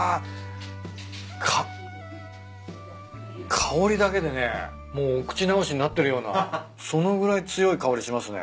香りだけでねもうお口直しになってるようなそのぐらい強い香りしますね。